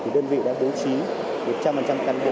đơn vị đã bố trí một trăm linh căn hộ